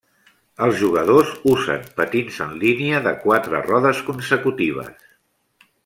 Els jugadors usen patins en línia de quatre rodes consecutives.